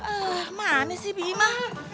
ah manis sih bima